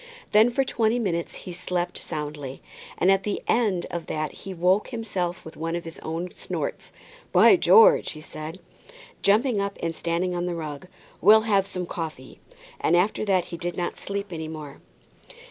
Then for twenty minutes he slept soundly, and at the end of that he woke himself with one of his own snorts. "By George!" he said, jumping up and standing on the rug, "we'll have some coffee;" and after that he did not sleep any more.